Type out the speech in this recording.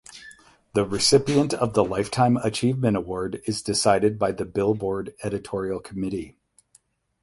The recipient of the Lifetime Achievement Award is decided by the "Billboard" editorial committee.